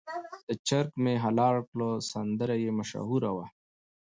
د چرګ مې حلال کړ سندره یې مشهوره وه.